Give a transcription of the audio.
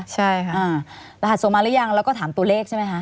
ใช่ค่ะรหัสส่งมาหรือยังแล้วก็ถามตัวเลขใช่ไหมคะ